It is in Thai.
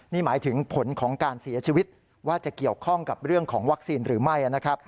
นี่หมายถึงผลของการเสียชีวิตว่าจะเกี่ยวข้องกับเรื่องของวัคซีนหรือไม่นะครับ